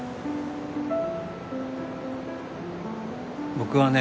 僕はね